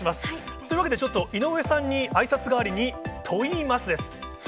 というわけで、ちょっと、井上さんにあいさつ代わりに、問イマス！です。